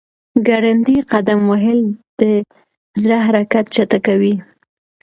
ګړندی قدم وهل د زړه حرکت چټکوي.